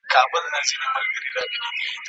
د هېلۍ چيچي ته څوک اوبازي نه ور زده کوي.